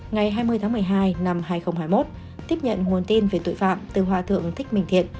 ngày hai mươi tháng một mươi hai năm hai nghìn hai mươi một tiếp nhận nguồn tin về tội phạm từ hòa thượng thích minh thiện